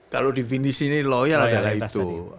kalau definisi ini loyal adalah itu